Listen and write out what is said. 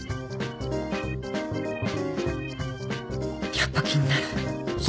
やっぱ気になる。